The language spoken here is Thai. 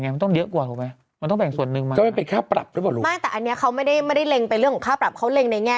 อันนี้ให้เยอะขึ้นไงให้เยอะขึ้นไง